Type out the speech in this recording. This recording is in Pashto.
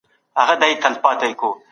تاسي په خپلو لاسونو کي پاکي مدام لرئ.